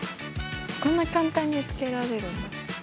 こんな簡単につけられるんだ。